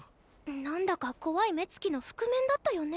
なんだか怖い目つきの覆面だったよね。